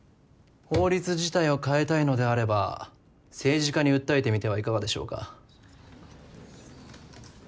法律自体を変えたいのであれば政治家に訴えてみてはいかがでしょうか？